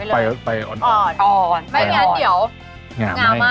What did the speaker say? ใส่ไปเลย